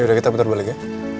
yaudah kita bentar balik ya